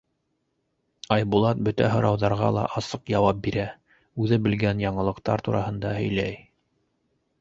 Айбулат бөтә һорауҙарға ла асыҡ яуап бирә, үҙе белгән яңылыҡтар тураһында һөйләй.